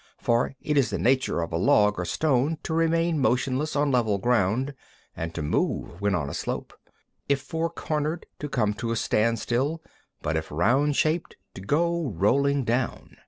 For it is the nature of a log or stone to remain motionless on level ground, and to move when on a slope; if four cornered, to come to a standstill, but if round shaped, to go rolling down.